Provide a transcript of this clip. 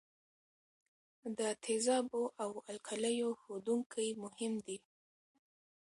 د تیزابو او القلیو ښودونکي مهم دي.